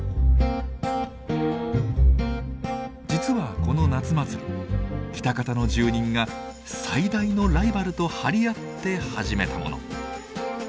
実はこの夏祭り喜多方の住人が最大のライバルと張り合って始めたもの。